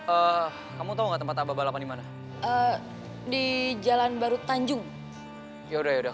oh kamu tahu tempat abah balapan dimana ah di jalan baru tanjung yaudah namanya sayang